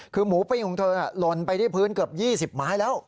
คือหมูปิ้งของเธอหล่นไปที่พื้นเกือบ๒๐ไม้แล้ว